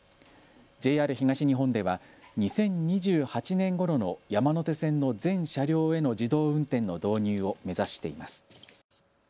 ＪＲ東日本では２０２８年ごろの山手線の全車両への自動運転の導入を目指しています。